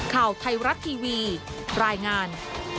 ข่าวไทยรัฐทีวีรายงาน